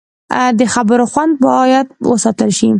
د خبرو خوند باید وساتل شي